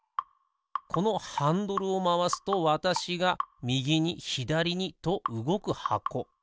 このハンドルをまわすとわたしがみぎにひだりにとうごくはこ。